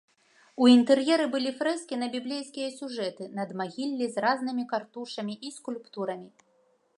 У інтэр'еры былі фрэскі на біблейскія сюжэты, надмагіллі з разнымі картушамі і скульптурамі.